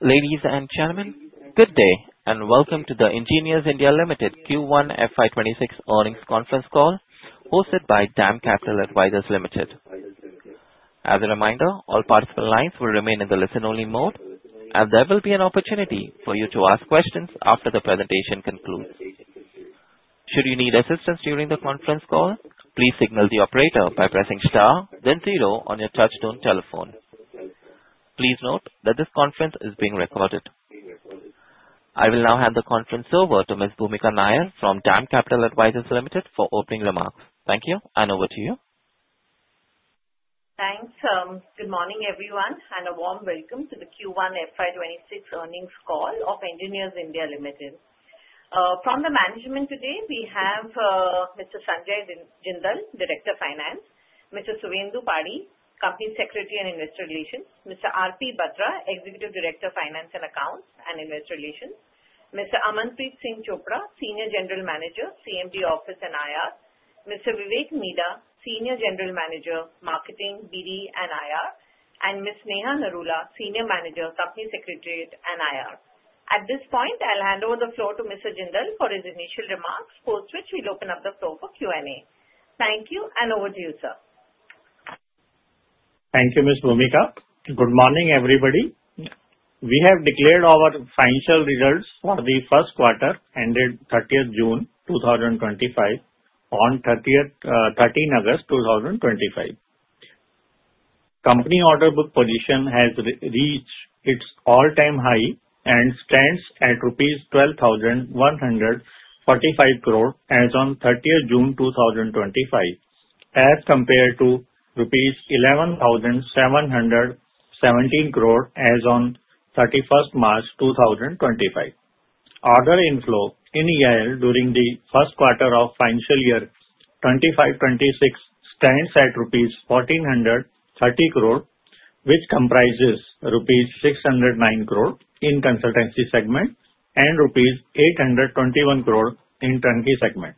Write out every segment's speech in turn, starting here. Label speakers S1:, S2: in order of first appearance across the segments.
S1: Ladies and gentlemen, good day and welcome to the Engineers India Limited Q1 FY2026 Earnings Conference Call hosted by DAM Capital Advisors Limited. As a reminder, all participant lines will remain in the listen-only mode, and there will be an opportunity for you to ask questions after the presentation concludes. Should you need assistance during the conference call, please signal the operator by pressing star then zero on your touch-tone telephone. Please note that this conference is being recorded. I will now hand the conference over to Ms. Bhoomika Nair from DAM Capital Advisors Limited for opening remarks. Thank you, and over to you.
S2: Thanks. Good morning, everyone, and a warm welcome to the Q1 FY 2026 Earnings Call of Engineers India Limited. From the management today, we have Mr. Sanjay Jindal, Director of Finance, Mr. Suvendu Padhi, Company Secretary and Investor Relations, Mr. R.P. Batra, Executive Director of Finance and Accounts and Investor Relations, Mr. Amanpreet Singh Chopra, Senior General Manager, CMP Office and IR, Mr. Vivek Midha, Senior General Manager, Marketing, BD and IR, and Ms. Neha Narula, Senior Manager, Company Secretary and IR. At this point, I'll hand over the floor to Mr. Jindal for his initial remarks, post which we'll open up the floor for Q&A. Thank you, and over to you, sir.
S3: Thank you, Ms. Bhoomika. Good morning, everybody. We have declared our financial results for the First Quarter ended 30th June 2025 on 13th August 2025. Company order book position has reached its all-time high and stands at 12,145 crore rupees as on 30th June 2025, as compared to rupees 11,717 crore as on 31st March 2025. Order inflow in EIL during the First Quarter of financial year 2025-2026 stands at rupees 1,430 crore, which comprises rupees 609 crore in consultancy segment and rupees 821 crore in turnkey segment.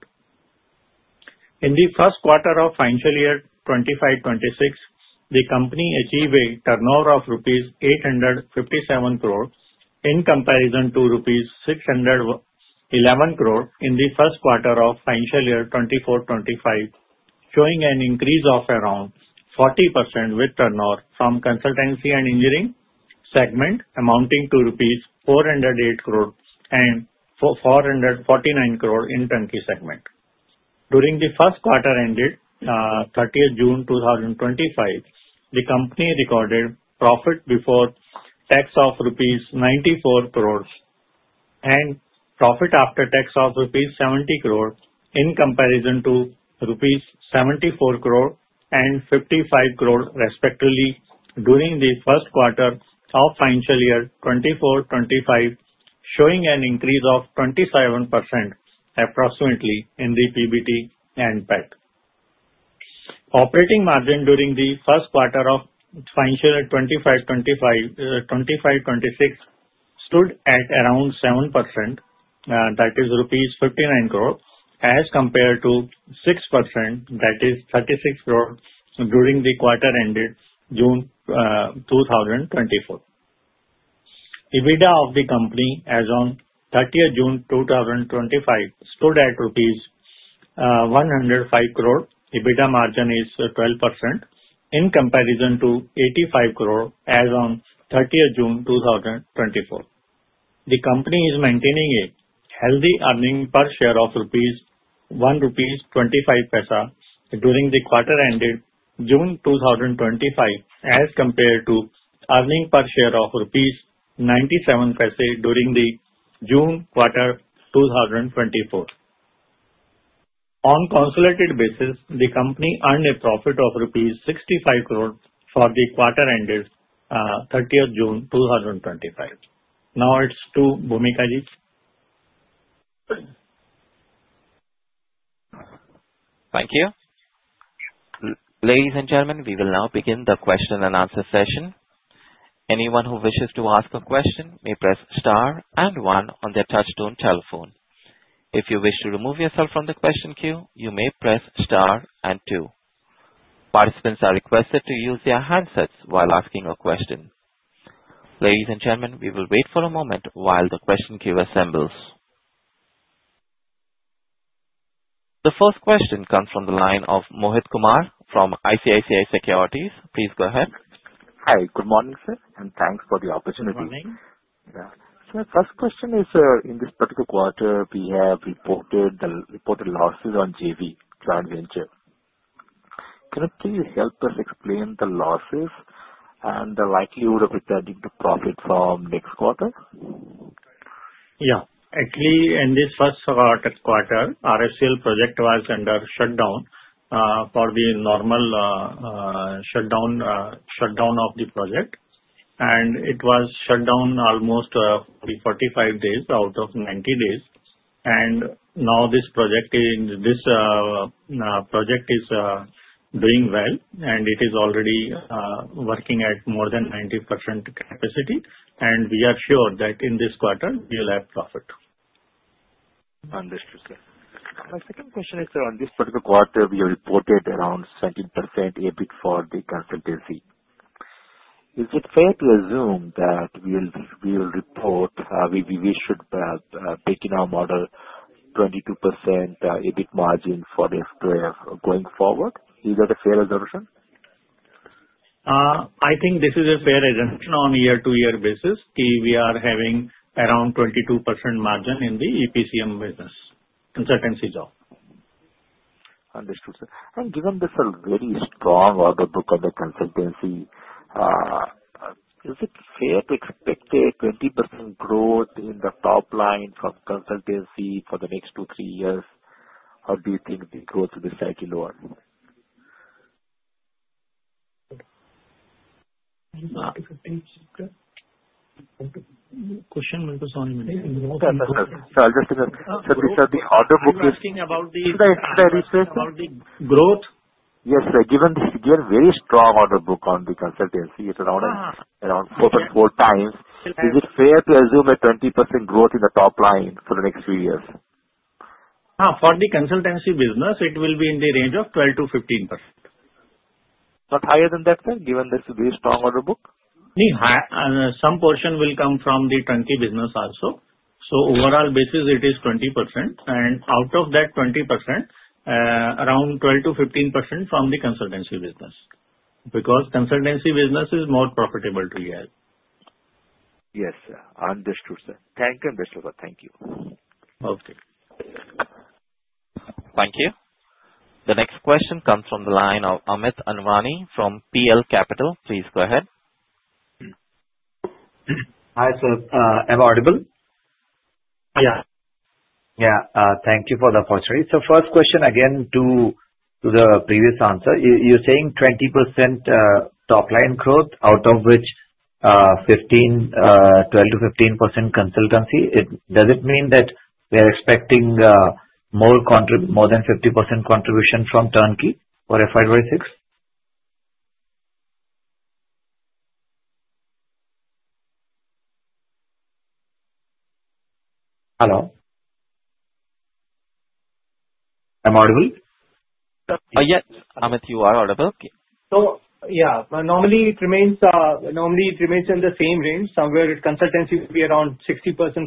S3: In the First Quarter of financial year 2025-2026, the company achieved a turnover of rupees 857 crore in comparison to rupees 611 crore in the First Quarter of financial year 2024-2025, showing an increase of around 40% with turnover from consultancy and engineering segment amounting to rupees 408 crore and 449 crore in turnkey segment. During the First Quarter ended 30th June 2025, the company recorded profit before tax of rupees 94 crore and profit after tax of rupees 70 crore in comparison to rupees 74 crore and 55 crore respectively during the First Quarter of financial year 2024-2025, showing an increase of 27% approximately in the PBT and PAT. Operating margin during the First Quarter of financial year 2024-2025 stood at around 7%, that is rupees 59 crore, as compared to 6%, that is 36 crore, during the quarter ended June 2024. EBITDA of the company as on 30th June 2025 stood at rupees 105 crore. EBITDA margin is 12% in comparison to 85 crore as on 30th June 2024. The company is maintaining a healthy earnings per share of 1.25 during the quarter ended June 2025, as compared to earnings per share of rupees 0.97 during the June quarter 2024. On a consolidated basis, the company earned a profit of rupees 65 crore for the quarter ended 30th June 2025. Now it's to Bhoomika Ji.
S1: Thank you. Ladies and gentlemen, we will now begin the question and answer session. Anyone who wishes to ask a question may press star and one on their touch-tone telephone. If you wish to remove yourself from the question queue, you may press star and two. Participants are requested to use their handsets while asking a question. Ladies and gentlemen, we will wait for a moment while the question queue assembles. The first question comes from the line of Mohit Kumar from ICICI Securities. Please go ahead.
S4: Hi. Good morning, sir, and thanks for the opportunity.
S3: Good morning.
S4: Yeah. My first question is, in this particular quarter, we have reported the reported losses on JV, JointVenture. Can you please help us explain the losses and the likelihood of returning to profit for next quarter?
S3: Yeah. Actually, in this First Quarter, RFCL project was under shutdown for the normal shutdown of the project. It was shut down almost 45 days out of 90 days. Now this project is doing well, and it is already working at more than 90% capacity. We are sure that in this quarter, we'll have profit.
S4: Understood, sir. My second question is, sir, in this particular quarter, we reported around 17% EBIT for the consultancy. Is it fair to assume that we will report, we should be taking our model 22% EBIT margin for the quarter going forward? Is that a fair assumption?
S3: I think this is a fair assumption on a year-to-year basis. We are having around 22% margin in the EPCM business, consultancy job.
S4: Understood, sir. Given this is a very strong order book on the consultancy, is it fair to expect a 20% growth in the top lines of consultancy for the next two, three years, or do you think the growth will be slightly lower? Sir, I'll just take a minute. This is the order book.
S3: You're asking about the research about the growth?
S4: Yes, sir. Given this very strong order book on the consultancy, it's around 4.4x, is it fair to assume a 20% growth in the top line for the next few years?
S3: For the consultancy business, it will be in the range of 12%-15%.
S4: Not higher than that, sir, given this very strong order book?
S3: I mean, some portion will come from the turnkey business also. Overall basis, it is 20%, and out of that 20%, around 12%-15% from the consultancy business because consultancy business is more profitable to EIL.
S4: Yes, sir. Understood, sir. Thank you.
S3: Okay.
S1: Thank you. The next question comes from the line of Amit Anwani from PL Capital. Please go ahead.
S5: Hi, sir. Am I audible?
S3: Yeah.
S5: Thank you for the opportunity. First question, again, to the previous answer. You're saying 20% top-line growth, out of which, 12%-15% consultancy. Does it mean that we are expecting more than 50% contribution from turnkey for FY2026? Hello. Am I audible?
S3: Yes. Amit, are you audible?
S5: Okay.
S3: Normally it remains in the same range. Somewhere with consultancy, it would be around 60%, 55%,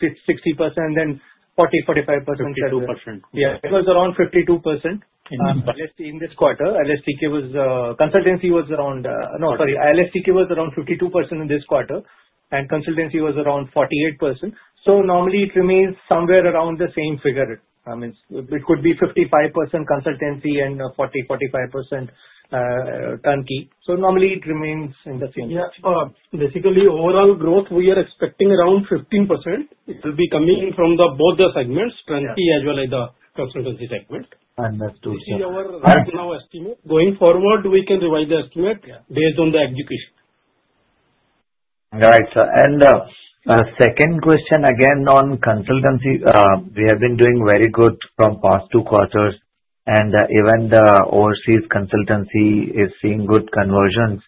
S3: 60%, and then 40%, 45%. 52%. Yeah. It was around 52%. In this quarter, LSTK was around 52%, and consultancy was around 48%. Normally it remains somewhere around the same figure. I mean, it could be 55% consultancy and 40%-45% turnkey. Normally it remains in the same range. Basically, overall growth, we are expecting around 15%. It will be coming from both the segments, turnkey as well as the consultancy segment.
S5: Understood, sir.
S3: This is our right now estimate. Going forward, we can revise the estimate based on the execution.
S5: Right, sir. The second question, again, on consultancy, we have been doing very good from past two quarters, and even the overseas consultancy is seeing good conversions.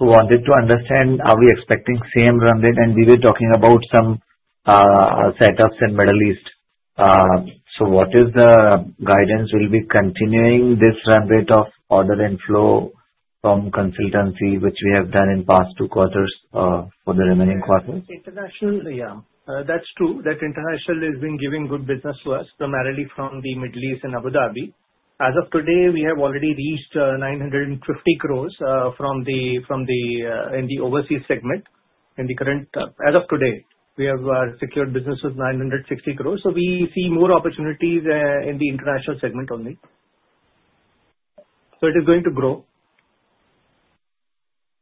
S5: I wanted to understand, are we expecting the same run rate? We were talking about some setups in the Middle East. What is the guidance? Will we be continuing this run rate of order inflow from consultancy, which we have done in the past two quarters, for the remaining quarters?
S3: Yeah. That's true that international has been giving good business for us, primarily from the Middle East and Abu Dhabi. As of today, we have already reached 950 crore in the overseas segment. In the current, as of today, we have secured businesses 960 crore. We see more opportunities in the international segment only. It is going to grow.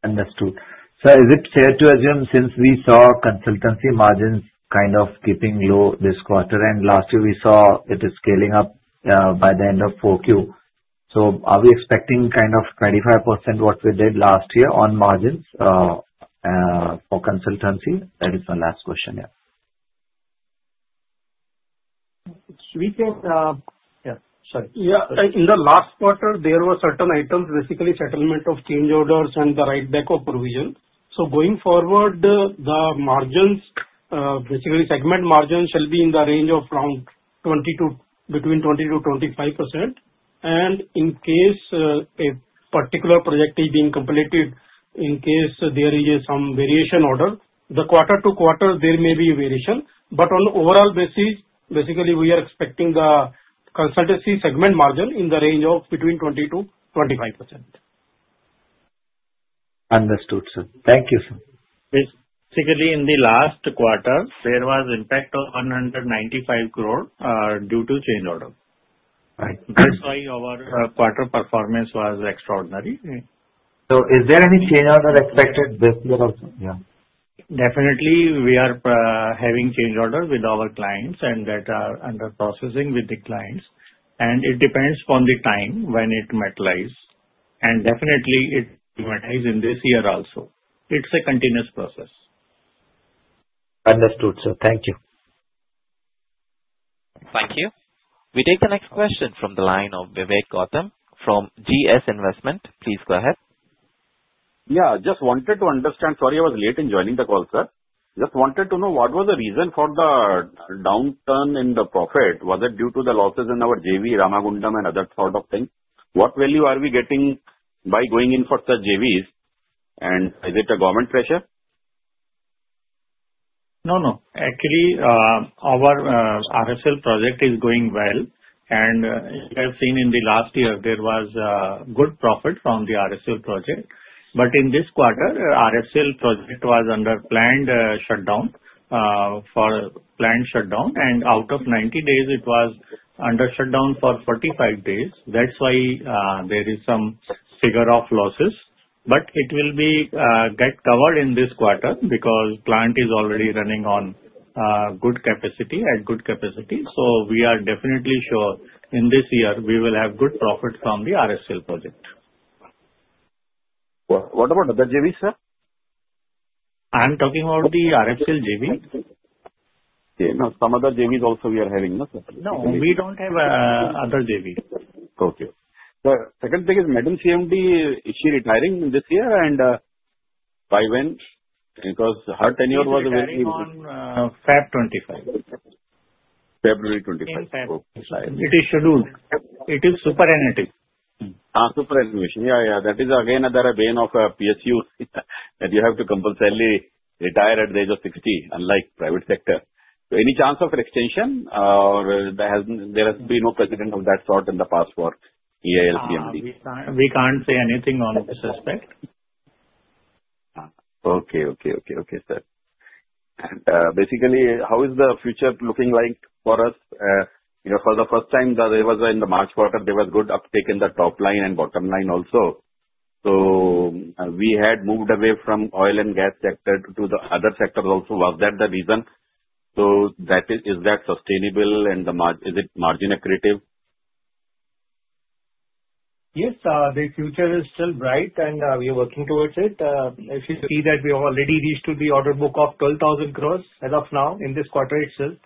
S5: Understood. Sir, is it fair to assume since we saw consultancy margins kind of keeping low this quarter? Last year, we saw it scaling up by the end of Q4. Are we expecting kind of 25% what we did last year on margins for consultancy? That is the last question, yeah.
S3: Yeah. In the last quarter, there were certain items, basically settlement of change orders and the write-back of provisions. Going forward, the margins, basically segment margins shall be in the range of around 20% to between 20%-25%. In case a particular project is being completed, in case there is some variation order, quarter-to-quarter, there may be a variation. On an overall basis, basically, we are expecting the consultancy segment margin in the range of between 20%-25%.
S5: Understood, sir. Thank you, sir.
S3: Basically, in the last quarter, there was an impact of 195 crore due to change order. That's why our quarter performance was extraordinary.
S5: Is there any change order expected this year?
S3: Definitely, we are having change order with our clients that are under processing with the clients. It depends on the time when it materializes. Definitely, it materializes in this year also. It's a continuous process.
S5: Understood, sir. Thank you.
S1: Thank you. We take the next question from the line of Vivek Gautam from GS Investment. Please go ahead.
S6: Yeah, just wanted to understand. Sorry, I was late in joining the call, sir. Just wanted to know what was the reason for the downturn in the profit? Was it due to the losses in our JV, Ramagundam, and other sort of things? What value are we getting by going in for such JVs? Is it a government pressure?
S3: No, no. Actually, our RFCL project is going well. You have seen in the last year, there was a good profit from the RFCL project. In this quarter, the RFCL project was under planned shutdown for planned shutdown. Out of 90 days, it was under shutdown for 45 days. That's why there is some figure of losses. It will be covered in this quarter because the client is already running at good capacity. We are definitely sure in this year, we will have good profit from the RFCL project.
S6: What about other JVs, sir?
S3: I'm talking about the RFCL JV.
S6: Some other JVs also we are having nothing.
S3: No, we don't have other JVs.
S6: Okay. The second thing is, Madam CMD, is she retiring this year? By when? Because her tenure was.
S3: She's retiring on February 25.
S6: February 25.
S3: In February. It is scheduled. It is superannuation.
S6: Superannuation. Yeah, yeah. That is again another vein of PSU that you have to compulsorily retire at the age of 60, unlike private sector. Any chance of an extension, or there has been no precedent of that sort in the past for EIL CMD?
S3: We can't say anything on this aspect.
S6: Okay, sir. Basically, how is the future looking like for us? You know, for the first time, in the March quarter, there was good uptake in the top line and bottom line also. We had moved away from the oil and gas sector to the other sector also. Was that the reason? Is that sustainable and is it margin accretive?
S3: Yes, the future is still bright, and we are working towards it. As you see that we already reached the order book of 12,000 crore as of now in this quarter itself.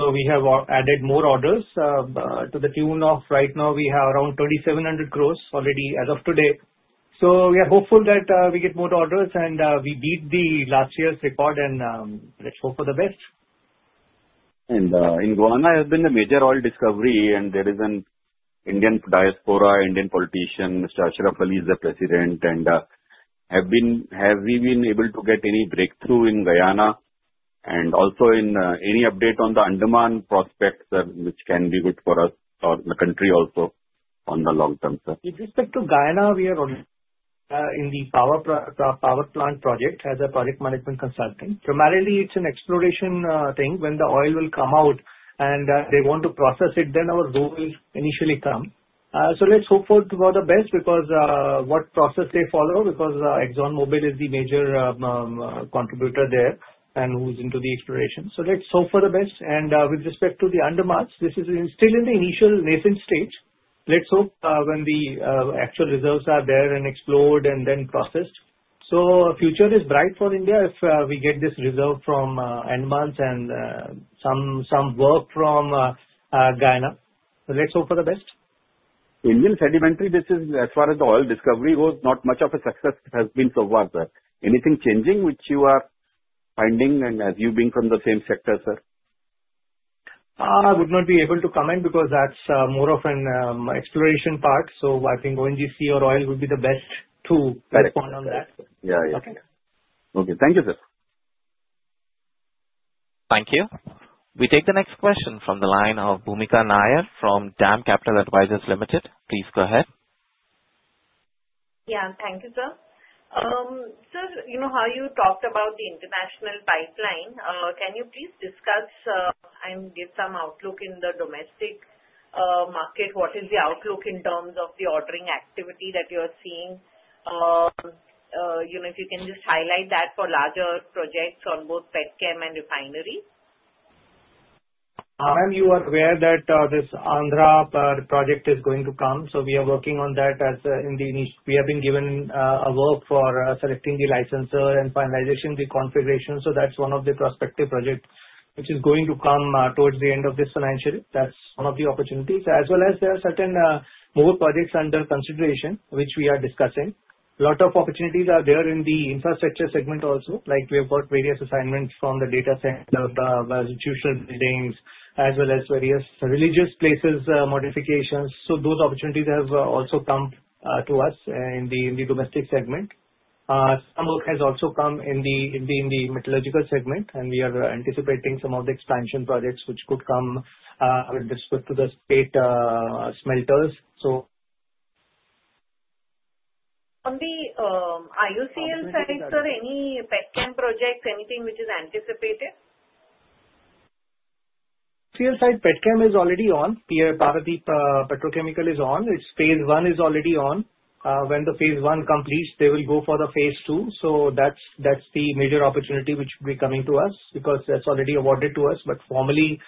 S3: We have added more orders to the tune of right now, we have around 2,700 crore already as of today. We are hopeful that we get more orders and we beat the last year's report, and let's hope for the best.
S6: In Guyana, there has been a major oil discovery, and there is an Indian Diaspora. Indian politician Mr. Ashraf Ali is the President. Have we been able to get any breakthrough in Guyana, and also any update on the Andaman prospects, sir, which can be good for us or the country also in the long term, sir?
S3: With respect to Guyana, we are on in the power plant project as a project management consulting. Primarily, it's an exploration thing when the oil will come out and they want to process it. Our goal is initially come. Let's hope for the best because what process they follow because ExxonMobil is the major contributor there and moves into the exploration. Let's hope for the best. With respect to the Andaman, this is still in the initial nascent stage. Let's hope when the actual reserves are there and explored and then processed. The future is bright for India if we get this reserve from Andaman and some work from Guyana. Let's hope for the best.
S6: Indian sedimentary, this is as far as the oil discovery goes, not much of a success has been so far, sir. Anything changing which you are finding and as you being from the same sector, sir?
S3: I would not be able to comment because that's more of an exploration part. I think ONGC or OIL would be the best to respond on that.
S6: Yeah, yeah.
S3: Okay.
S6: Okay. Thank you, sir.
S1: Thank you. We take the next question from the line of Bhoomika Nair from DAM Capital Advisors Limited. Please go ahead.
S2: Thank you, sir. Sir, you know how you talked about the international pipeline. Can you please discuss and give some outlook in the domestic market? What is the outlook in terms of the ordering activity that you are seeing? If you can just highlight that for larger projects on both PetChem and refinery.
S3: Ma'am, you are aware that this Andhra project is going to come. We are working on that, as in the initial, we have been given work for selecting the licenser and finalizing the configuration. That's one of the prospective projects which is going to come towards the end of this financial year. That's one of the opportunities. There are certain more projects under consideration, which we are discussing. A lot of opportunities are there in the infrastructure segment also. We have got various assignments from the data center, the institutional buildings, as well as various religious places, modifications. Those opportunities have also come to us in the domestic segment. Some work has also come in the metallurgical segment, and we are anticipating some of the expansion projects which could come with respect to the state smelters.
S2: On the IOCL side, sir, any PetChem projects, anything which is anticipated?
S3: IOCL side, PetChem is already on. PRI Paradeep Petrochemical is on. Its phase I is already on. When the phase I completes, they will go for the phase II. That is the major opportunity which will be coming to us because that's already awarded to us. Formally,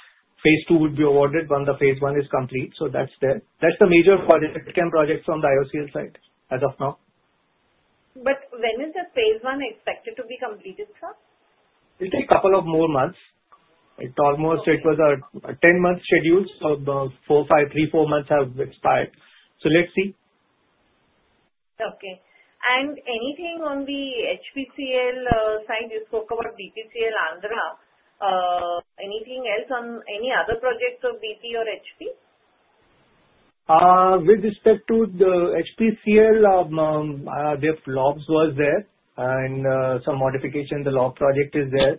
S3: phase II would be awarded when the phase I is complete. That is the major project, the chem project from the IOCL side as of now.
S2: When is the phase I expected to be completed, sir?
S3: It will take couple of more months. It was almost a 10-month schedule, so the four, three, five months have expired. Let's see.
S2: Okay. Anything on the HPCL side, you spoke about BPCL Andhra. Anything else on any other projects of BP or HP?
S3: With respect to the HPCL, their LOBs were there, and some modification in the LOB project is there.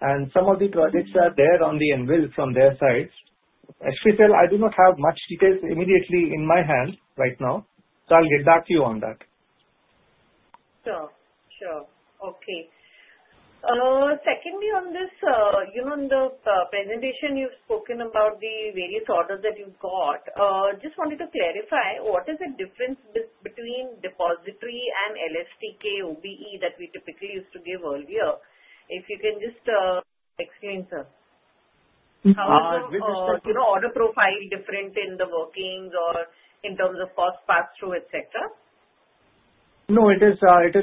S3: Some of the projects are there on the NVIL from their side. HPCL, I do not have much details immediately in my hands right now. I'll get back to you on that.
S2: Sure. Okay. Secondly, in the presentation, you've spoken about the various orders that you've got. Just wanted to clarify, what is the difference between depository and LSTK OBE that we typically used to give earlier? If you can just explain, sir. Is your order profile different in the workings or in terms of cost pass-through, et cetera?
S3: No, it is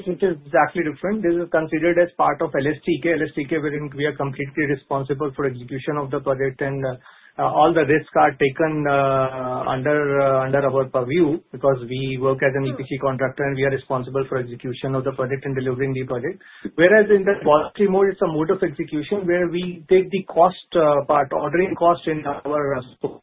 S3: exactly different. This is considered as part of LSTK. LSTK, we are completely responsible for the execution of the project, and all the risks are taken under our purview because we work as an EPC contractor, and we are responsible for the execution of the project and delivering the project. Whereas in the quantitative mode, it's a mode of execution where we take the cost part, ordering cost in our scope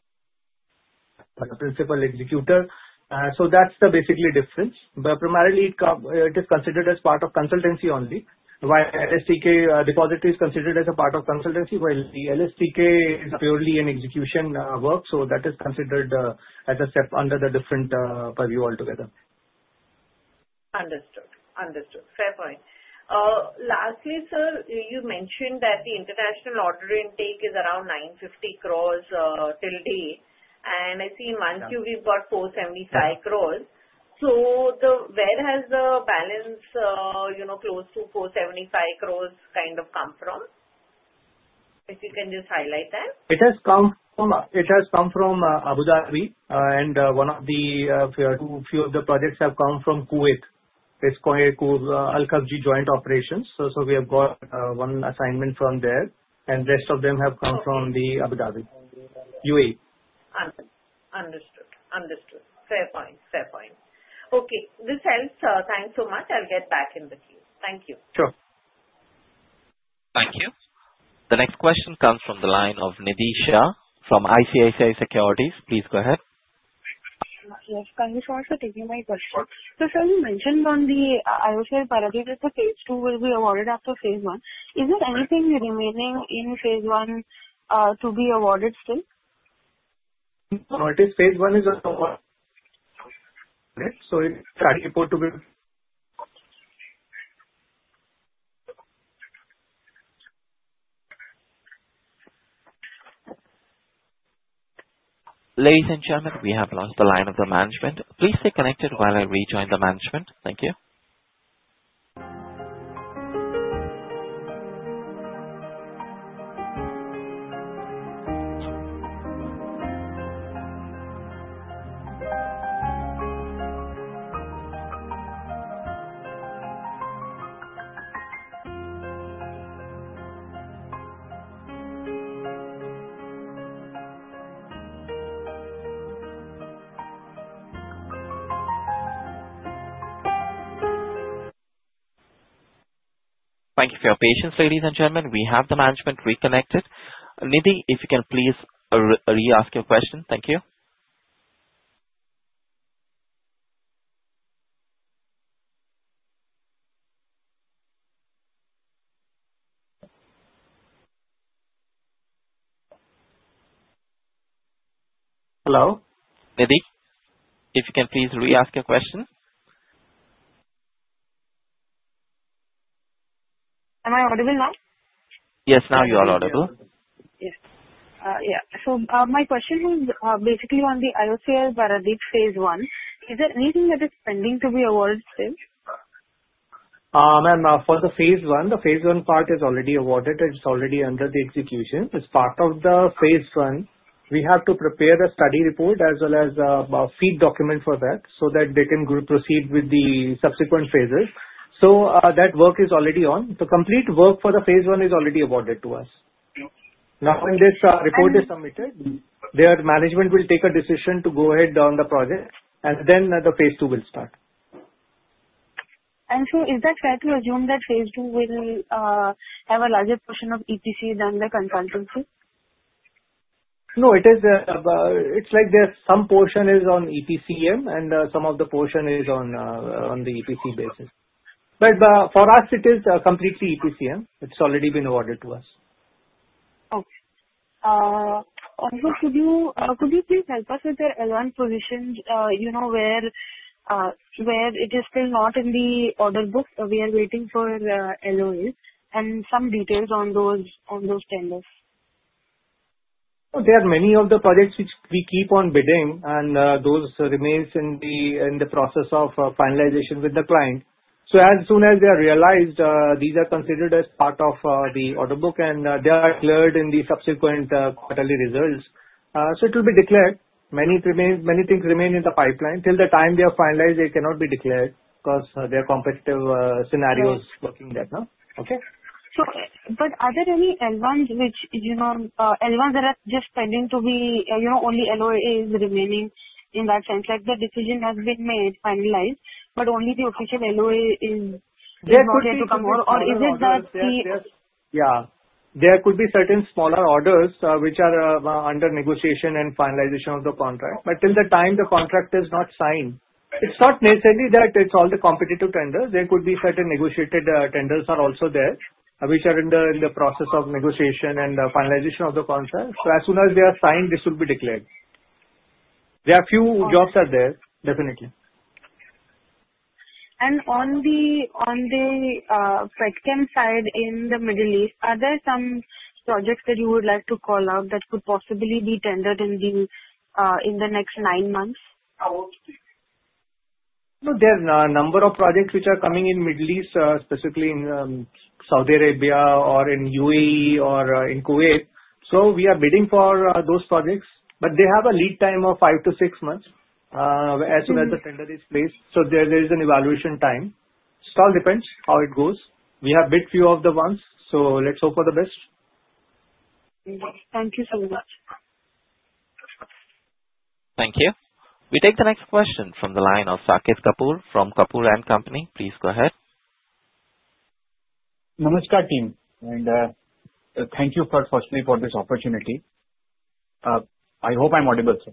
S3: as principal executor. That's the basically difference. Primarily, it is considered as part of consultancy only. While LSTK depository is considered as a part of consultancy, the LSTK is purely an execution work. That is considered as a step under the different purview altogether.
S2: Understood. Fair point. Lastly, sir, you mentioned that the international order intake is around 950 crore till date. I see in one queue we've got 475 crore. Where has the balance, you know, close to 475 crore, come from? If you can just highlight that.
S3: It has come from Abu Dhabi, and a few of the projects have come from Kuwait. It's Kuwait, Al-Khafji Joint Operations. We have got one assignment from there, and the rest of them have come from Abu Dhabi, UAE.
S2: Understood. Fair point. Okay. This helps, sir. Thanks so much. I'll get back in the queue. Thank you.
S3: Sure.
S1: Thank you. The next question comes from the line of Nidhi Shah from ICICI Securities. Please go ahead.
S7: Yes, I just want to review my question. Sir, you mentioned on the IOCL Paradip that phase II will be awarded after phase I. Isn't everything remaining in phase I to be awarded still?
S3: No, phase I is just awarded. It's reported to be.
S1: Ladies and gentlemen, we have lost the line of the management. Please stay connected while I rejoin the management. Thank you. Thank you for your patience, ladies and gentlemen. We have the management reconnected. Nidhi, if you can please re-ask your question. Thank you. Hello, Nidhi. If you can please re-ask your question.
S7: Am I audible now?
S1: Yes, now you are audible.
S7: Yes. My question is basically on the IOCL Paradip phase I. Is it needing any spending to be awarded still?
S3: Ma'am, for the phase I, the phase I part is already awarded. It's already under the execution. As part of the phase I, we have to prepare a study report as well as a feed document for that, so that they can proceed with the subsequent phases. That work is already on. The complete work for the phase I is already awarded to us. When this report is submitted, their management will take a decision to go ahead on the project, and then the phase II will start.
S7: Is that fair to assume that phase II will have a larger portion of EPC than the consultancy?
S3: No, it's like there's some portion is on EPCM and some of the portion is on the EPC basis. For us, it is completely EPCM. It's already been awarded to us.
S7: Okay. Also, could you please help us with the L1 position, you know, where it is still not in the order book? We're waiting for LOA and some details on those tenders.
S3: There are many of the projects which we keep on bidding, and those remain in the process of finalization with the client. As soon as they are realized, these are considered as part of the order book, and they are declared in the subsequent quarterly results. It will be declared. Many things remain in the pipeline. Till the time they are finalized, they cannot be declared because there are competitive scenarios working there now.
S7: Are there any L1s that are just tending to be only LOA is remaining in that sense? Like the decision has been made finalized, but only the official LOA is there to come out, or is it that the?
S3: Yeah. There could be certain smaller orders which are under negotiation and finalization of the contract. Till the time the contract is not signed, it's not necessarily that it's all the competitive tenders. There could be certain negotiated tenders that are also there, which are in the process of negotiation and the finalization of the contract. As soon as they are signed, this will be declared. There are a few jobs that are there, definitely.
S7: On the PetChem side in the Middle East, are there some projects that you would like to call out that could possibly be tendered in the next nine months?
S3: There are a number of projects which are coming in the Middle East, specifically in Saudi Arabia, UAE, or Kuwait. We are bidding for those projects, but they have a lead time of five to six months as soon as the tender is placed. There is an evaluation time. It all depends how it goes. We have bid a few of the ones, so let's hope for the best.
S7: Thank you so much.
S1: Thank you. We take the next question from the line of Saket Kapoor from Kapoor & Company. Please go ahead.
S8: Namaskar, team, and thank you firstly for this opportunity. I hope I'm audible, sir.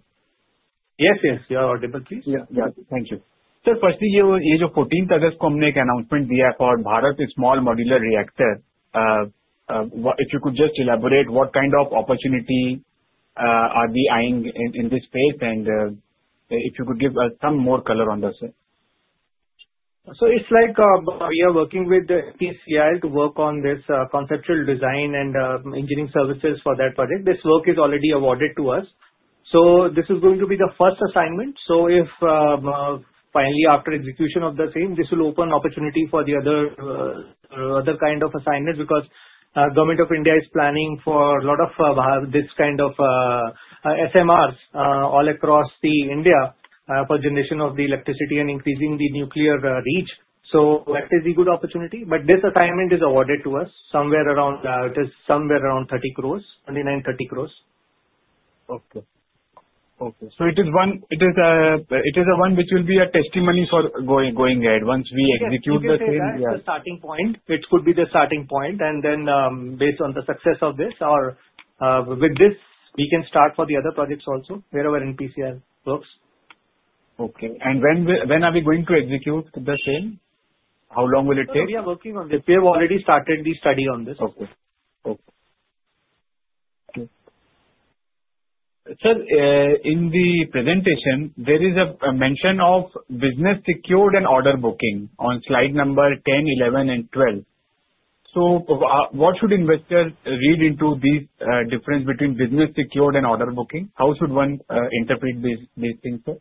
S3: Yes, yes. You are audible, please.
S8: Yeah, thank you. Sir, firstly, on your announcement of 14th August, we have an announcement for Bharat Small Modular Reactor. If you could just elaborate, what kind of opportunity are we eyeing in this space? If you could give us some more color on this, sir.
S3: It's like we are working with NPCIL to work on this conceptual design and engineering services for that project. This work is already awarded to us. This is going to be the first assignment. If finally, after execution of the same, this will open an opportunity for the other kind of assignments because the Government of India is planning for a lot of this kind of SMRs all across India for the generation of electricity and increasing the nuclear reach. That is a good opportunity. This assignment is awarded to us somewhere around, it is somewhere around INR 30 crore, INR 29, 30 crore.
S8: Okay. It is one which will be a testimony for going ahead once we execute the same.
S3: Yes. It's the starting point. It could be the starting point. Based on the success of this, or with this, we can start for the other projects also wherever NPCIL works.
S8: Okay. When are we going to execute the same? How long will it take?
S3: We are working on this. We have already started the study on this.
S8: Okay. Sir, in the presentation, there is a mention of business secured and order booking on slide number 10, 11, and 12. What should investors read into these differences between business secured and order booking? How should one interpret these things, sir?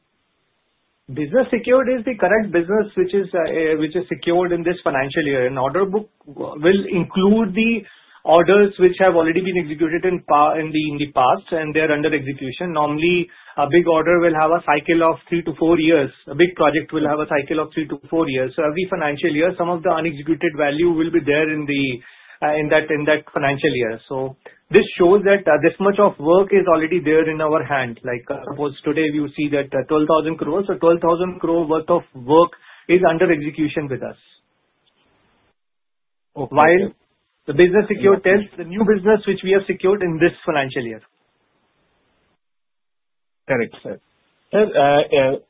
S3: Business secured is the current business which is secured in this financial year. An order book will include the orders which have already been executed in the past, and they're under execution. Normally, a big order will have a cycle of three to four years. A big project will have a cycle of three to four years. Every financial year, some of the unexecuted value will be there in that financial year. This shows that this much of work is already there in our hands. Like today, you see that 12,000 crore. 12,000 crore worth of work is under execution with us. The business secured tells the new business which we have secured in this financial year.
S8: Correct, sir.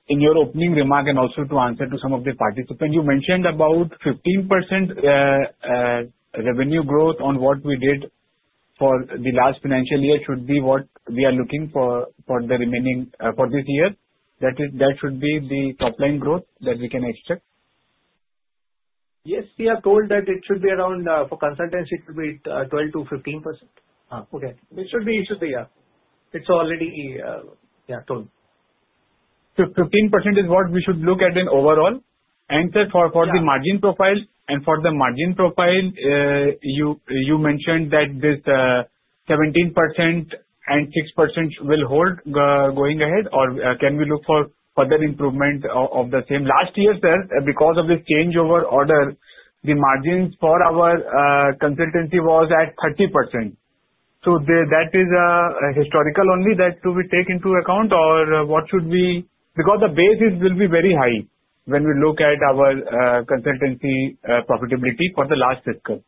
S8: In your opening remark, and also to answer to some of the participants, you mentioned about 15% revenue growth on what we did for the last financial year should be what we are looking for for the remaining for this year. That should be the top-line growth that we can expect.
S3: Yes, we are told that it should be around for consultants, it should be 12%-15%. Okay. It should be easier. It's already, yeah, told.
S8: 15% is what we should look at in overall. Sir, for the margin profile, you mentioned that this 17% and 6% will hold going ahead, or can we look for further improvement of the same? Last year, sir, because of this changeover order, the margins for our consultancy was at 30%. That is a historical only that to be taken into account, or what should we, because the basis will be very high when we look at our consultancy profitability for the last fiscal.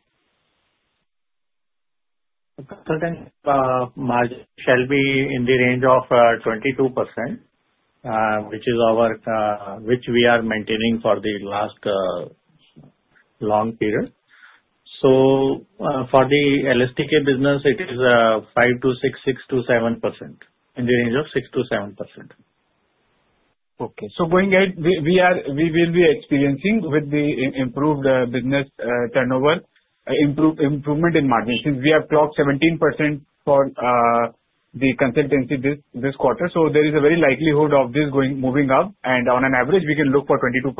S3: Consultancy margin shall be in the range of 22%, which is what we are maintaining for the last long period. For the LSTK business, it is 5%-6%, 6%-7% in the range of 6%-7%.
S8: Okay. Going ahead, we will be experiencing, with the improved business turnover, improvement in margin since we have clocked 17% for the consultancy this quarter. There is a very likelihood of this moving up, and on an average, we can look for 22%.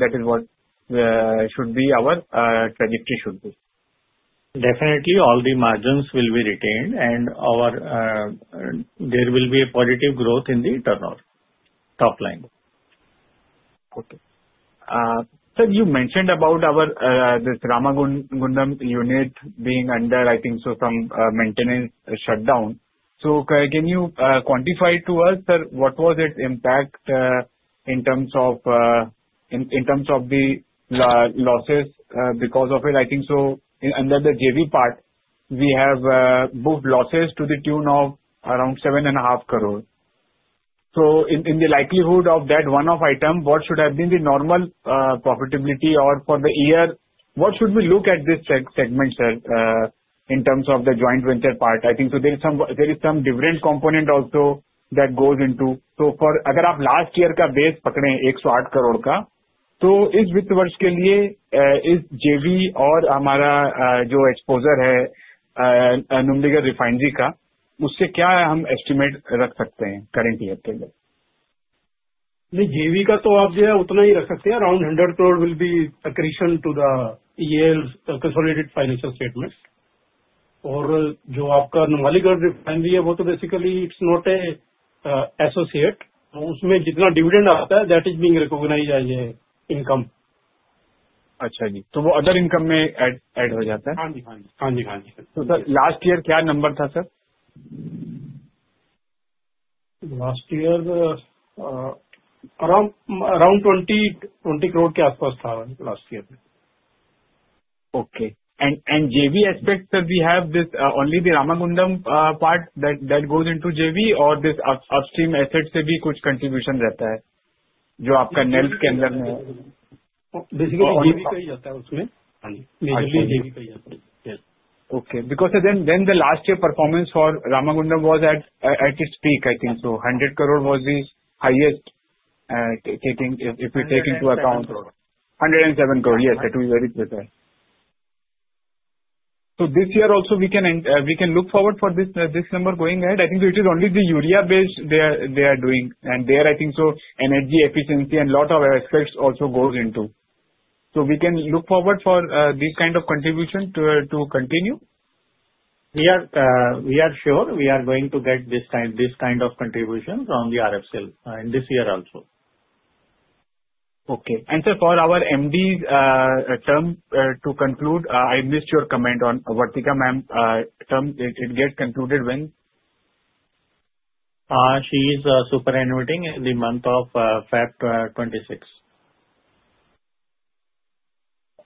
S8: That is what should be our trajectory.
S3: Definitely, all the margins will be retained, and there will be a positive growth in the turnover, top-line.
S8: Okay. Sir, you mentioned about our Ramagundam unit being under, I think, some maintenance shutdown. Can you quantify to us, sir, what was its impact in terms of the losses because of it? I think under the JV part, we have booked losses to the tune of around 7.5 crore. In the likelihood of that one-off item, what should have been the normal profitability or for the year, what should we look at this segment, sir, in terms of the joint venture part? I think there is some dividend component also that goes into it. For अगर आप last year का base पकड़े INR 108 crore का, तो इस वित्त वर्ष के लिए इस JV और हमारा जो exposure है Numbrigar Refinery का, उससे क्या हम estimate रख सकते हैं current year के लिए?
S3: JV का तो आप जो है उतना ही रख सकते हैं। Around 100 crore will be accretion to the EIL's consolidated financial statements. और जो आपका Numbrigar Refinery है, वो तो basically it's not an associate. उसमें जितना dividend आता है, that is being recognized as an income.
S8: अच्छा जी, तो वो other income में add हो जाता है।
S3: हाँ जी, हाँ जी, हाँ जी, हाँ जी।
S8: तो last year क्या number था, sir?
S3: Last year around INR 20 crore ke aaspaas tha last year mein.
S8: Okay. JV aspect, sir, we have this only the Ramagundam part that goes into JV, or this upstream assets से भी कुछ contribution रहता है जो आपका NELP के अंदर में।
S3: Basically, JV का ही जाता है उसमें.
S8: हाँ जी, majorly JV का ही जाता है।
S3: Yes.
S8: Okay. Because the last year performance for Ramagundam was at its peak, I think. 100 crore was the highest, I think, if you take into account 107 crore.
S3: Yes, that will be very clear.
S8: This year also we can look forward for this number going ahead. I think it is only the urea base they are doing, and there, I think, energy efficiency and a lot of aspects also go into it. We can look forward for this kind of contribution to continue.
S3: We are sure we are going to get this kind of contribution from the RFCL in this year also.
S8: Okay. Sir, for our MD's term to conclude, I missed your comment on Vartika ma'am's term. It gets concluded when?
S3: She is superannuating the month of February 2026.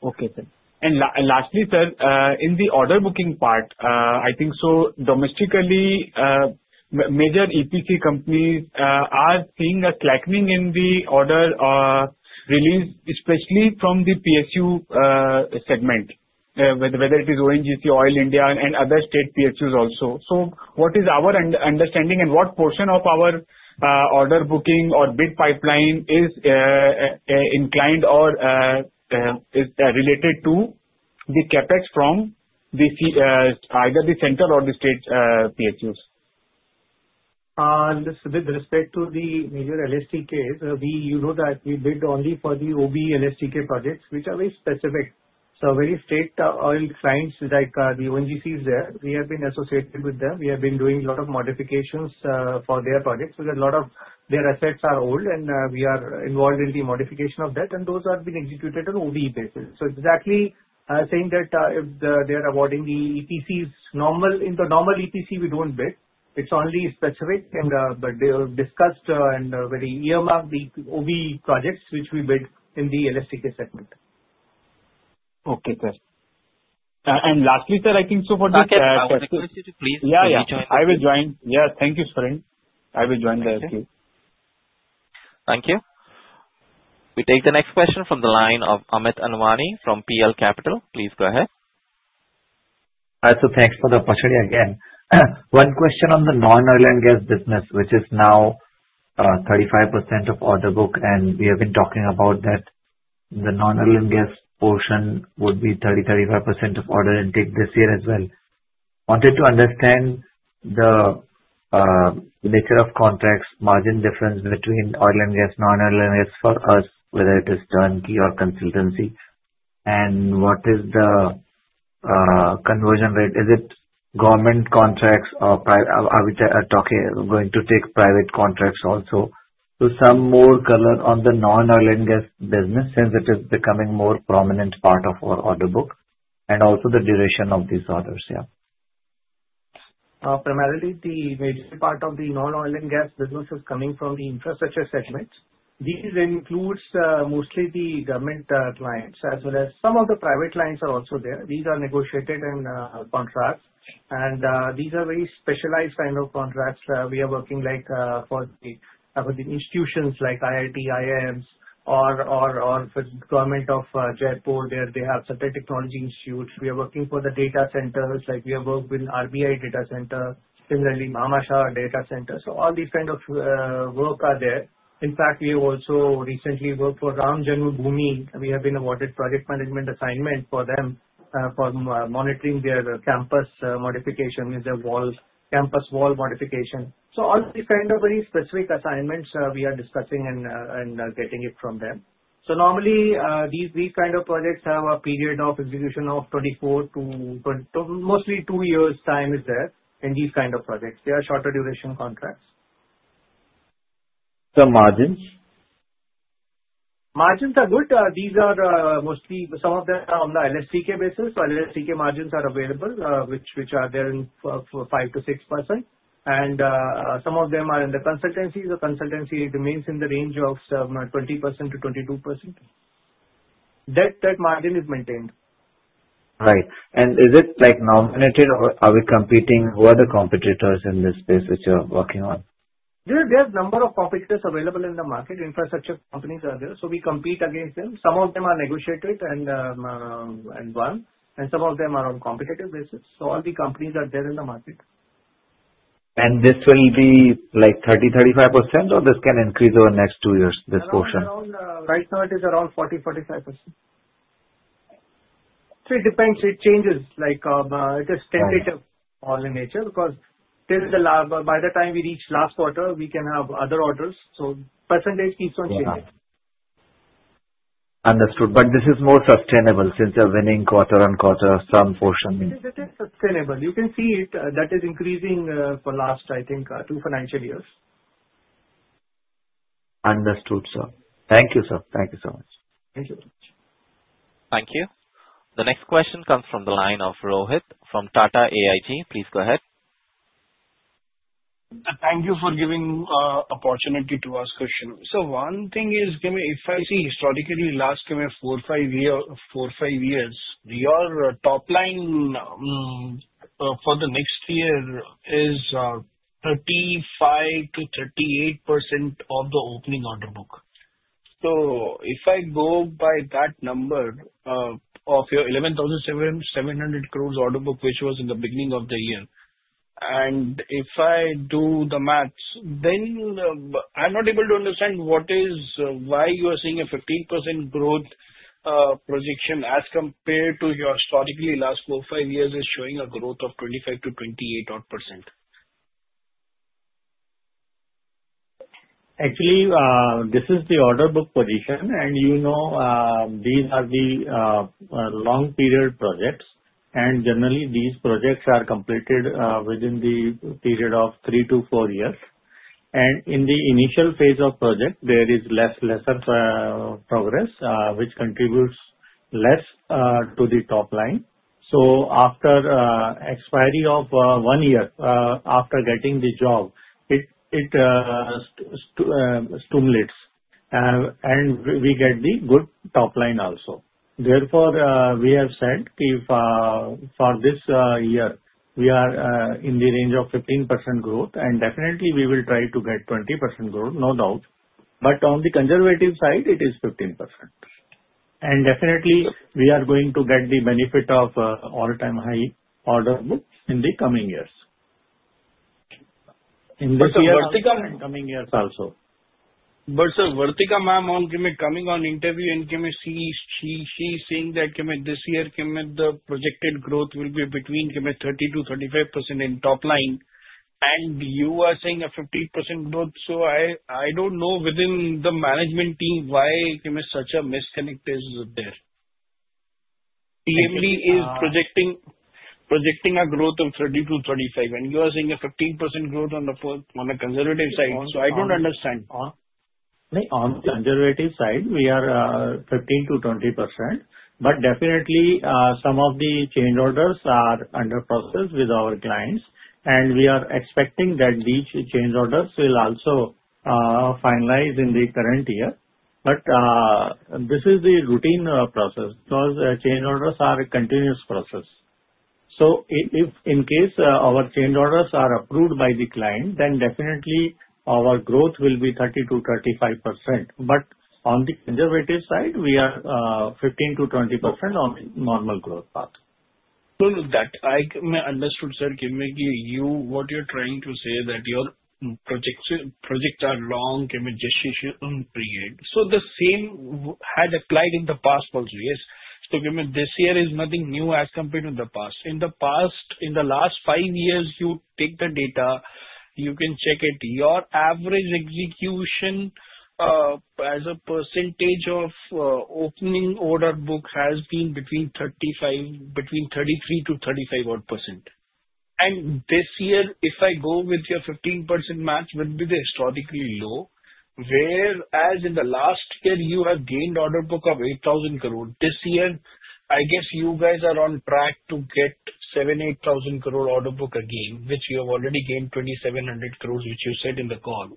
S8: Okay, sir. Lastly, in the order booking part, I think domestically, major EPC companies are seeing a slackening in the order release, especially from the PSU segment, whether it is ONGC, Oil India, and other state PSUs also. What is our understanding and what portion of our order booking or bid pipeline is inclined or is related to the CapEx from either the central or the state PSUs?
S3: With respect to the major LSTKs, you know that we bid only for the OBE LSTK projects, which are very specific. Very state-owned clients like the ONGCs, we have been associated with them. We have been doing a lot of modifications for their projects because a lot of their assets are old, and we are involved in the modification of that. Those have been executed on OBE basis. Exactly saying that if they are awarding the EPCs normal, in the normal EPC, we don't bid. It's only specific, and they have discussed and very earmarked the OBE projects which we bid in the LSTK segment.
S8: Okay, sir. Lastly, sir, I think so for the.
S1: Saket, I would request you to please rejoin the queue.
S8: Yeah, I will join. Yeah. Thank you, Srini. I will join the queue.
S1: Thank you. We take the next question from the line of Amit Anwani from PL Capital. Please go ahead.
S5: Sir, thanks for the opportunity again. One question on the non-oil and gas business, which is now 35% of order book, and we have been talking about that. The non-oil and gas portion would be 30-35% of order intake this year as well. Wanted to understand the nature of contracts, margin difference between oil and gas, non-oil and gas for us, whether it is turnkey or consultancy. What is the conversion rate? Is it government contracts or private? Are we going to take private contracts also? Do some more color on the non-oil and gas business since it is becoming a more prominent part of our order book and also the duration of these orders. Yeah.
S3: Primarily, the major part of the non-oil and gas business is coming from the infrastructure segment. These then include mostly the government clients as well as some of the private clients are also there. These are negotiated contracts, and these are very specialized kind of contracts. We are working for institutions like IIT, IIMs, or for the government of Jaipur. They have certain technology issues. We are working for the data centers, like we have worked with RBI Data Center, similarly Bhamashah Data Center. All these kinds of work are there. In fact, we have also recently worked for Ram Jammabhoomi. We have been awarded project management assignment for them for monitoring their campus modification with their wall, campus wall modification. All these kinds of very specific assignments we are discussing and getting it from them. Normally, these kinds of projects have a period of execution of 24 to mostly two years' time is there in these kinds of projects. They are shorter duration contracts.
S5: So margins?
S3: Margins are good. These are mostly some of them on the LSTK basis. LSTK margins are available, which are there in 5%-6%. Some of them are in the consultancies. The consultancy remains in the range of 20%-22%. That margin is maintained.
S5: Right. Is it nominated, or are we competing? Who are the competitors in this space which you're working on?
S3: There are a number of competitors available in the market. Infrastructure companies are there. We compete against them. Some of them are negotiated and won, and some of them are on a competitive basis. All the companies are there in the market.
S5: Will this be like 30%, 35%, or can this increase over the next two years, this portion?
S3: Right now, it is around 40%, 45%. It depends. It changes. Like it is tentative order nature because by the time we reach last quarter, we can have other orders. The percentage keeps on changing.
S5: Understood. This is more sustainable since you're winning quarter on quarter, some portion.
S3: It is sustainable. You can see it is increasing for the last, I think, two financial years.
S5: Understood, sir. Thank you, sir. Thank you so much.
S3: Thank you so much.
S1: Thank you. The next question comes from the line of Rohit from Tata AIG. Please go ahead.
S9: Thank you for giving the opportunity to ask questions. One thing is, given if I see historically last year four or five years, our top line for the next year is 35%-38% of the opening order book. If I go by that number of your 11,700 crore order book, which was in the beginning of the year, and if I do the maths, then I'm not able to understand why you are seeing a 15% growth projection as compared to your historically last four or five years showing a growth of 25%-28% odd.
S3: Actually, this is the order book position, and you know these are the long-period projects. Generally, these projects are completed within the period of three to four years. In the initial phase of project, there is lesser progress, which contributes less to the top line. After expiry of one year, after getting the job, it stimulates, and we get the good top line also. Therefore, we have said if for this year, we are in the range of 15% growth, and definitely, we will try to get 20% growth, no doubt. On the conservative side, it is 15%. Definitely, we are going to get the benefit of all-time high order books in the coming years.
S9: But sir.
S3: Vartika in the coming years also.
S9: Vartika ma'am, on coming on interview and she is saying that this year, the projected growth will be between 30%-35% in top line, and you are saying a 15% growth. I don't know within the management team why such a misconnect is there. CMD is projecting a growth of 30%-35%, and you are saying a 15% growth on the conservative side. I don't understand.
S3: On the conservative side, we are 15%-20%, but definitely, some of the change orders are under process with our clients, and we are expecting that these change orders will also finalize in the current year. This is the routine process because change orders are a continuous process. If in case our change orders are approved by the client, then definitely, our growth will be 30%-35%. On the conservative side, we are 15%-20% on the normal growth path.
S9: I understood, sir. I get what you're trying to say, that your projects are long. Give me just your own period. The same had applied in the past also, years. This year is nothing new as compared to the past. In the past, in the last five years, you take the data, you can check it. Your average execution as a percentage of opening order book has been between 33%-35%. This year, if I go with your 15% match, it will be historically low. Whereas in the last year, you have gained order book of 8,000 crore. This year, I guess you guys are on track to get 7,000 to 8,000 crore order book again, which you have already gained 2,700 crore, which you said in the call.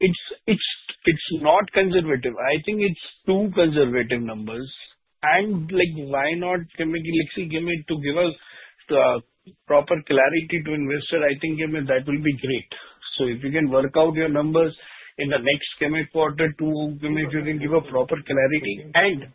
S9: It's not conservative. I think it's too conservative numbers. Why not give us the proper clarity to investors? I think that will be great. If you can work out your numbers in the next quarter to give us proper clarity.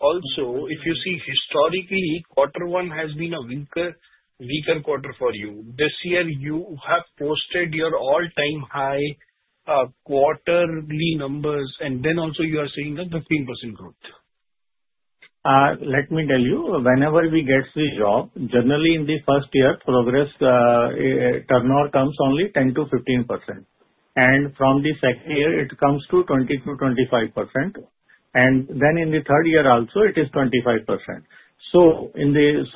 S9: Also, if you see historically, quarter one has been a weaker quarter for you. This year, you have posted your all-time high quarterly numbers, and then also you are saying a 15% growth.
S3: Let me tell you, whenever we get the job, generally, in the first year, progress turnover comes only 10%-15%. From the second year, it comes to 20%-25%, and in the third year also, it is 25%. In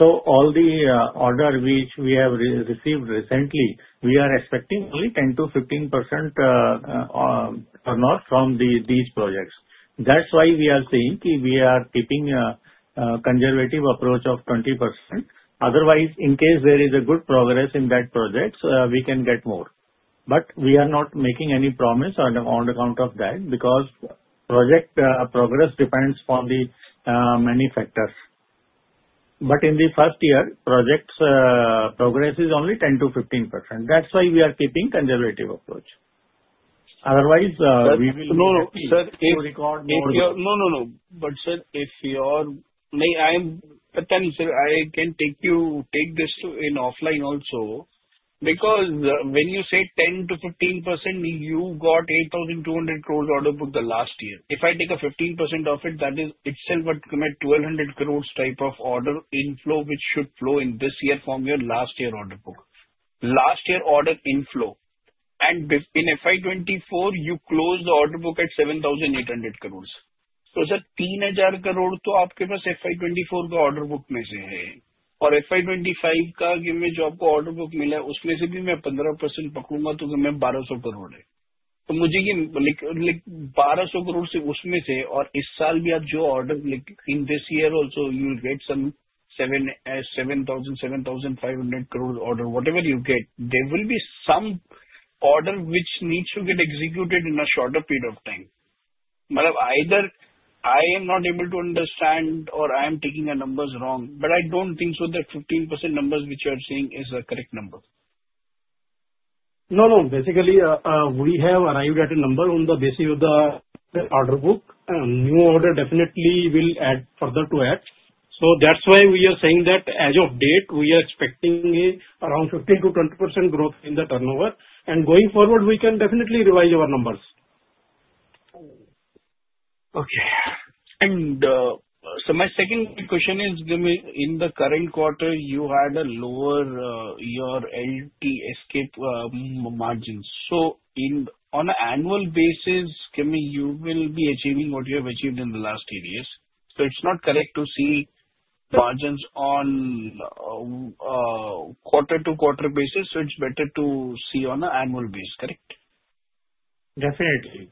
S3: all the orders which we have received recently, we are expecting only 10%-15% turnover from these projects. That's why we are saying we are keeping a conservative approach of 20%. Otherwise, in case there is a good progress in that project, we can get more. We are not making any promise on account of that because project progress depends on many factors. In the first year, project progress is only 10%-15%. That's why we are keeping a conservative approach. Otherwise, we will.
S9: Sir, if you record. No, no, no. Sir, if you are, I am telling you, sir, I can take this offline also because when you say 10%-15%, you got 8,200 crore order book last year. If I take 15% of it, that is itself an 1,200 crore type of order inflow which should flow in this year from your last year order book, last year order inflow. In FY 2024, you closed the order book at 7,800 crore. तो sir, 3,000 crore तो आपके पास FY 2024 का order book में से है। और FY 2025 का give me जो आपको order book मिला है, उसमें से भी मैं 15% पकड़ूंगा तो give me INR 1,200 crore. तो मुझे ये INR 1,200 crore से उसमें से और इस साल भी आप जो order like in this year also you will get some 7,000, 7,500 crore order. Whatever you get, there will be some order which needs to get executed in a shorter period of time. Might either I am not able to understand or I am taking numbers wrong, but I don't think so that 15% numbers which you are saying is a correct number.
S3: Basically, we have arrived at a number on the basis of the order book. New order definitely will add further to add. That's why we are saying that as of date, we are expecting around 15%-20% growth in the turnover. Going forward, we can definitely revise our numbers.
S9: Okay. My second question is, in the current quarter, you had a lower your LSTK margins. On an annual basis, you will be achieving what you have achieved in the last three years. It's not correct to see margins on a quarter-to-quarter basis. It's better to see on an annual base, correct?
S3: Definitely.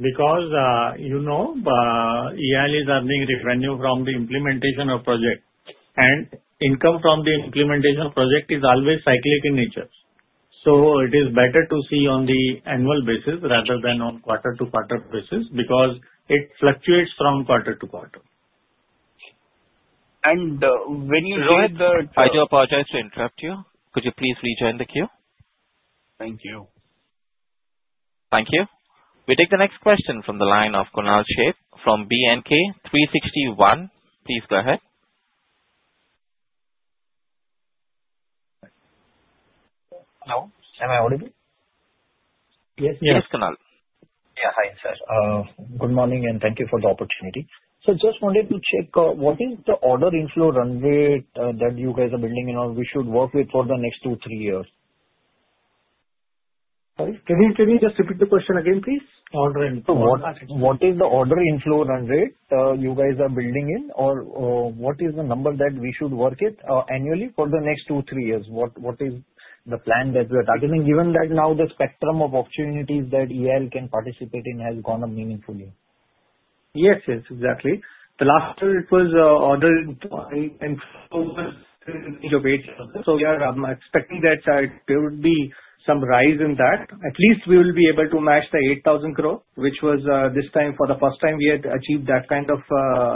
S3: Because you know, EIL is earning revenue from the implementation of projects. Income from the implementation of projects is always cyclic in nature. It is better to see on the annual basis rather than on a quarter-to-quarter basis because it fluctuates from quarter-to-quarter. When you look at the.
S1: I do apologize to interrupt you. Could you please rejoin the queue?
S3: Thank you.
S1: Thank you. We take the next question from the line of Kunal Shep from B&K361. Please go ahead.
S10: Hello. Am I audible?
S3: Yes, yes.
S1: Please, Kunal.
S10: Yeah. Hi, sir. Good morning, and thank you for the opportunity. Sir, just wanted to check what is the order inflow run rate that you guys are building in or we should work with for the next two, three years?
S8: Sorry? Can you just repeat the question again, please? Order in.
S10: What is the order inflow run rate you guys are building in, or what is the number that we should work with annually for the next two, three years? What is the plan that we are targeting given that now the spectrum of opportunities that EIL can participate in has gone up meaningfully?
S3: Yes, yes, exactly. Last year, order inflow was INR 8,000 crore. We are expecting that there would be some rise in that. At least we will be able to match the 8,000 crore, which was, this time, for the first time we had achieved that kind of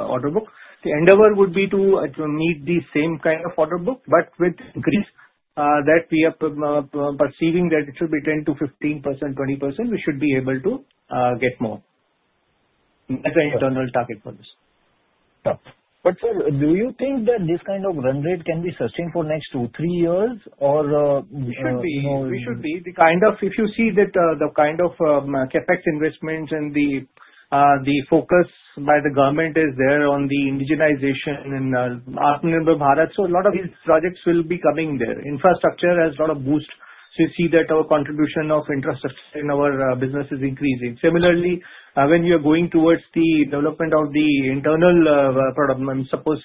S3: order book. The endeavor would be to meet the same kind of order book, with increase that we are perceiving, that it should be 10%-15%, 20%. We should be able to get more. It's an internal target for this. Sir, do you think that this kind of run rate can be sustained for the next two, three years, or? It should be. It should be. If you see that the kind of CapEx investments and the focus by the government is there on the indigenization in Bharat, a lot of projects will be coming there. Infrastructure has a lot of boost. You see that our contribution of infrastructure in our business is increasing. Similarly, when you are going towards the development of the internal product, I suppose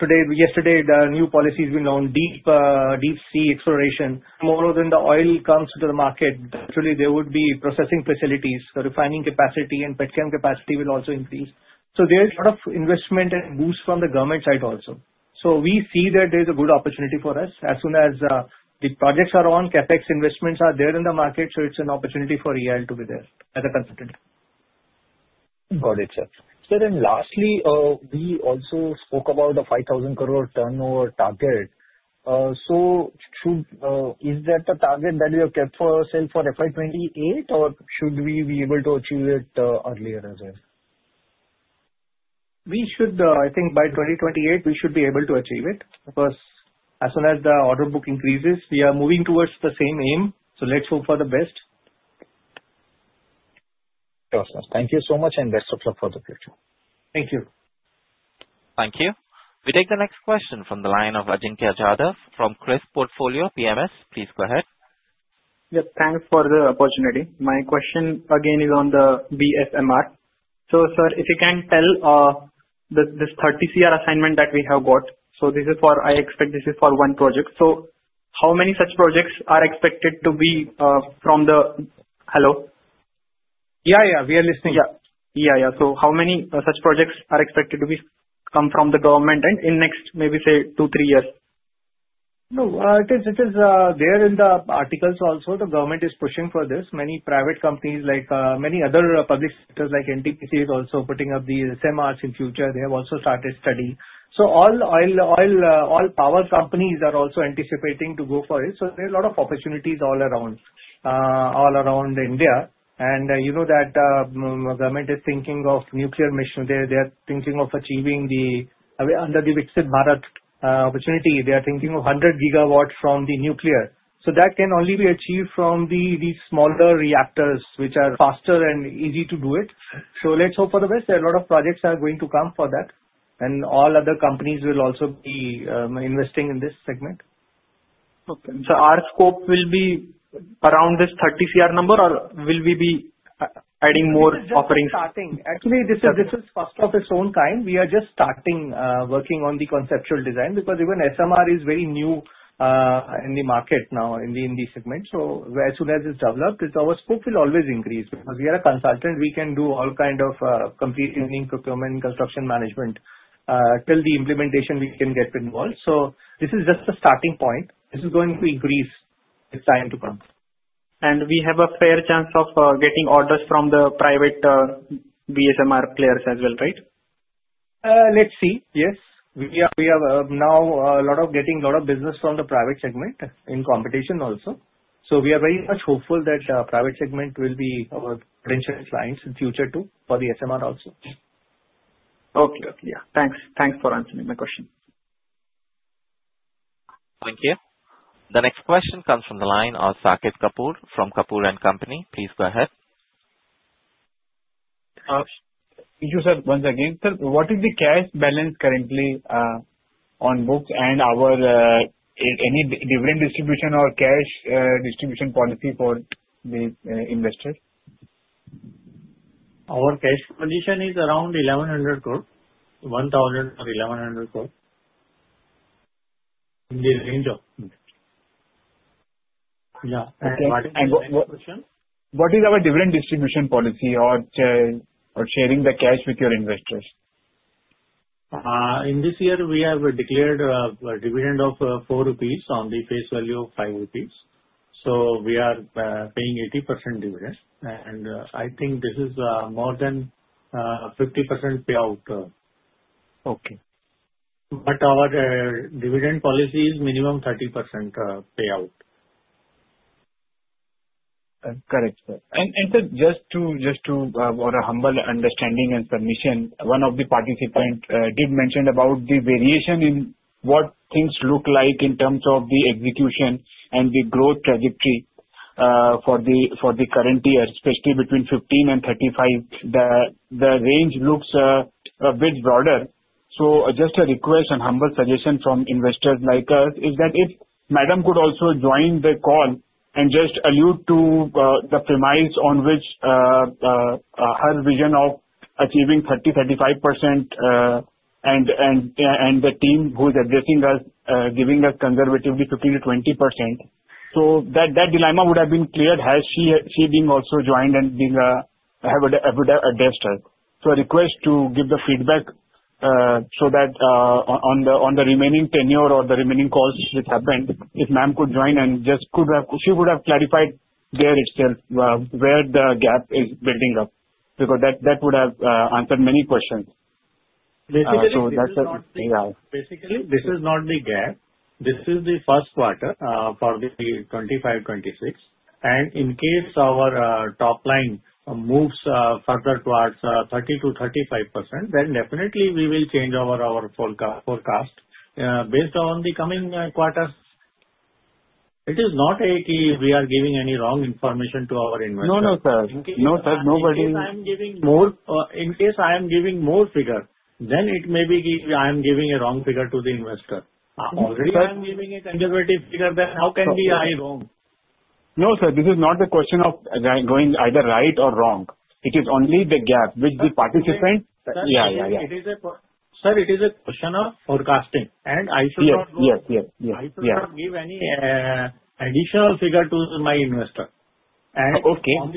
S3: today, yesterday, the new policies we launched, deep sea exploration, more than the oil comes to the market. Actually, there would be processing facilities, the refining capacity, and petroleum capacity will also increase. There's a lot of investment and boost from the government side also. We see that there's a good opportunity for us. As soon as the projects are on, CapEx investments are there in the market. It's an opportunity for EIL to be there as a consultant.
S10: Got it, sir. Sir, lastly, we also spoke about the 5,000 crore turnover target. Is that the target that we have kept for ourselves for FY 2028, or should we be able to achieve it earlier as well?
S3: I think by 2028, we should be able to achieve it because as soon as the order book increases, we are moving towards the same aim. Let's hope for the best.
S10: Perfect. Thank you so much, and best of luck for the future.
S3: Thank you.
S1: Thank you. We take the next question from the line of Ajinkya Jadhav from Chris Portfolio PMS. Please go ahead.
S11: Yep. Thanks for the opportunity. My question, again, is on the SMR. Sir, if you can tell this 30 crore assignment that we have got, this is for, I expect, this is for one project. How many such projects are expected to be from the, hello?
S3: Yeah, yeah, we are listening.
S11: How many such projects are expected to come from the government in the next, maybe say, two, three years?
S3: No, it is there in the articles also. The government is pushing for this. Many private companies, like many other public sectors, like NTPC, is also putting up the SMRs in the future. They have also started study. All oil, oil, oil power companies are also anticipating to go for it. There are a lot of opportunities all around India. You know that the government is thinking of nuclear mission. They are thinking of achieving the under the Viksit Bharat opportunity. They are thinking of 100 GW from the nuclear. That can only be achieved from the smaller reactors, which are faster and easy to do it. Let's hope for the best. There are a lot of projects that are going to come for that. All other companies will also be investing in this segment.
S11: Okay. Our scope will be around this 30 crore number, or will we be adding more offerings?
S3: Actually, this is part of its own kind. We are just starting working on the conceptual design because even SMR is very new in the market now in the segment. As soon as it's developed, our scope will always increase because we are a consultant. We can do all kinds of complete engineering, procurement, construction management till the implementation we can get involved. This is just the starting point. This is going to increase in time to come.
S11: We have a fair chance of getting orders from the private the SMR players as well, right?
S3: Let's see. Yes, we are now getting a lot of business from the private segment in competition also. We are very much hopeful that the private segment will be our potential clients in the future too for the SMR also.
S11: Okay. Yeah. Thanks. Thanks for answering my question.
S1: Thank you. The next question comes from the line of Saket Kapoor from Kapoor and Company. Please go ahead.
S8: You said once again, sir, what is the cash balance currently on books and our any dividend distribution or cash distribution policy for the investors?
S3: Our cash position is around 1,100 crore. 1,000 or 1,100 crore.
S8: In the range of.
S3: Yeah.
S8: Thank you. What is our dividend payout policy or sharing the cash with your investors?
S3: In this year, we have declared a dividend of ₹4 on the face value of ₹5. We are paying 80% dividend. I think this is more than a 50% payout.
S8: Okay.
S3: Our dividend policy is minimum 30% payout.
S8: Correct, sir. Sir, just to have a humble understanding and permission, one of the participants did mention about the variation in what things look like in terms of the execution and the growth trajectory for the current year, especially between 15% and 35%. The range looks a bit broader. Just a request and humble suggestion from investors like us is that if Madam could also join the call and just allude to the premise on which her vision of achieving 30%, 35% and the team who is addressing us, giving us conservatively 15%-20%. That dilemma would have been cleared had she also joined and addressed us. A request to give the feedback so that on the remaining tenure or the remaining calls which happen, if ma'am could join and just could have, she would have clarified where itself where the gap is building up because that would have answered many questions.
S3: Basically, this is not the gap. This is the First Quarter for 2025, 2026. In case our top line moves further towards 30%-35%, then definitely we will change over our forecast based on the coming quarters. It is not a key we are giving any wrong information to our investors.
S8: No, sir. Nobody.
S3: In case I am giving more figures, it may be I am giving a wrong figure to the investor. Already I am giving a conservative figure. How can I be wrong?
S8: No, sir. This is not the question of going either right or wrong. It is only the gap which the participant. Yeah, yeah, yeah.
S3: It is a question of forecasting. I should.
S8: Yep, yep, yep, yep.
S3: I should not give any additional figure to my investor. On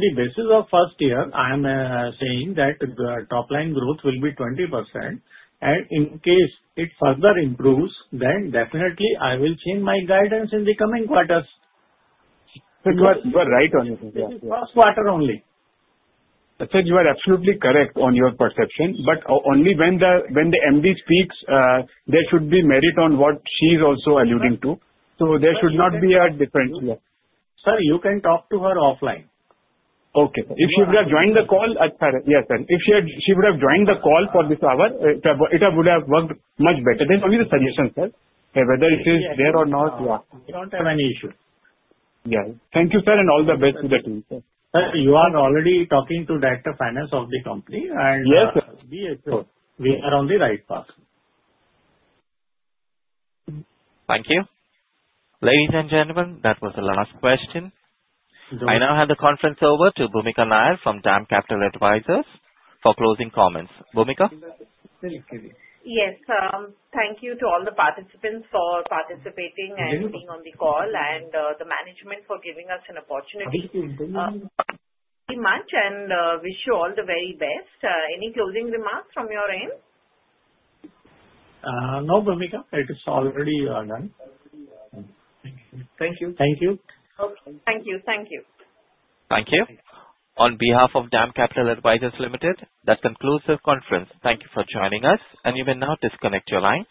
S3: the basis of first year, I am saying that the top-line growth will be 20%. In case it further improves, definitely I will change my guidance in the coming quarters.
S8: Sir, you are right on it.
S3: First quarter only.
S8: Sir, you are absolutely correct on your perception, but only when the MD speaks, there should be merit on what she is also alluding to. There should not be a difference.
S3: Sir, you can talk to her offline.
S8: Okay. If she would have joined the call, yes, sir. If she would have joined the call for this hour, it would have worked much better. That's only the suggestion, sir. Whether it is there or not.
S3: We don't have any issue.
S8: Yeah, thank you, sir, and all the best to the team.
S3: Sir, you are already talking to the Director of Finance of the company.
S8: Yes, sir.
S3: We are on the right path.
S1: Thank you. Ladies and gentlemen, that was the last question. I now hand the conference over to Bhumika Nayan from DAM Capital Advisors for closing comments. Bhumika.
S2: Yes, sir. Thank you to all the participants for participating and being on the call, and the management for giving us an opportunity. Thank you very much, and wish you all the very best. Any closing remarks from your end?
S3: No, Bhumika. It's already done.
S2: Thank you. Thank you. Thank you. Thank you.
S1: Thank you. On behalf of DAM Capital Advisors Limited, that concludes the conference. Thank you for joining us, and you may now disconnect your line.